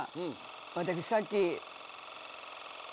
私さっき。